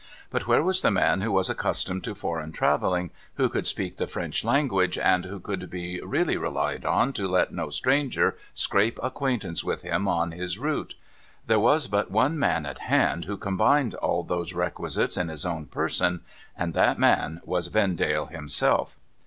But where was the man who was accustomed to foreign travelling, who could speak the French language, and who could be really relied on to let no stranger scrape acquaintance with him on his route ? There was but one man at hand who combined all those requisites in his own person, and that man was Vendale himself.